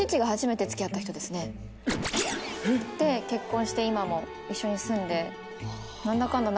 えっ⁉で結婚して今も一緒に住んで。